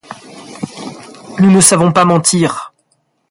Nous ne savons pas mentir.